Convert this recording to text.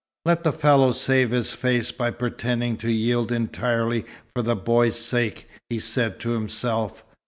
"Let the fellow save his face by pretending to yield entirely for the boy's sake," he said to himself.